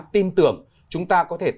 tin tưởng chúng ta có thể